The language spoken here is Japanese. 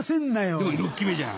でも６期目じゃん。